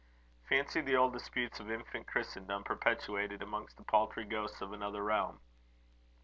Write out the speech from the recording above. Fancy the old disputes of infant Christendom perpetuated amongst the paltry ghosts of another realm!"